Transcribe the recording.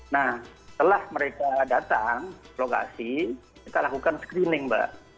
nah setelah mereka datang lokasi kita lakukan screening pak